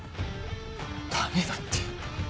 ダメだって。